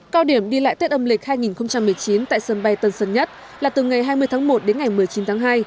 cao điểm đi lại tết âm lịch hai nghìn một mươi chín tại sân bay tân sơn nhất là từ ngày hai mươi tháng một đến ngày một mươi chín tháng hai